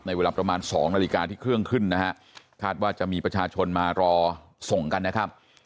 เวลาประมาณ๒นาฬิกาที่เครื่องขึ้นนะฮะคาดว่าจะมีประชาชนมารอส่งกันนะครับ